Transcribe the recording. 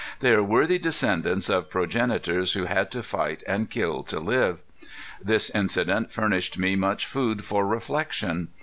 They are worthy descendants of progenitors who had to fight and kill to live. This incident furnished me much food for reflection.